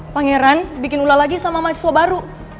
pangeran bikin ulah lagi sama mahasiswa baru